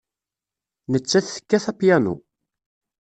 Nettat tekkat apyanu.